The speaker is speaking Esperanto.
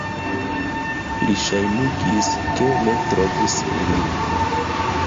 Li ŝajnigis, ke ne trovis ilin.